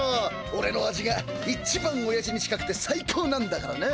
おれの味が一番おやじに近くてサイコーなんだからな。